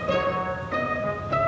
gak cukup pulsaanya